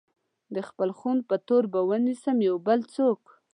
د خپل خون په تور به ونيسم يو بل څوک